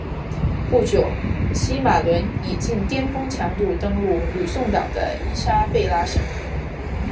不久西马仑以近颠峰强度登陆吕宋岛的伊莎贝拉省。